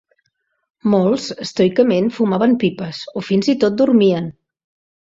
Molts estoicament fumaven pipes o fins i tot dormien.